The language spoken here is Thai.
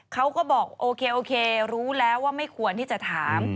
เขาก็บอกโอเคโอเครู้แล้วว่าไม่ควรที่จะถาม